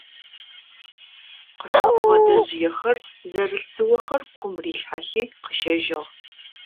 Къышыпыгъэ дэжъыехэр зэрылъ дзыохэр кум рилъхьэхи къыщэжьыгъ.